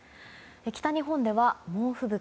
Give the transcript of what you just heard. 北日本では猛吹雪。